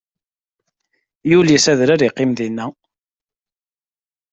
Yuli s adrar, iqqim dinna.